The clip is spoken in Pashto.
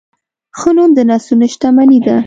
ښه نوم د نسلونو شتمني ده.